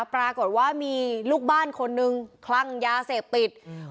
ปรากฏว่ามีลูกบ้านคนนึงคลั่งยาเสพติดอืม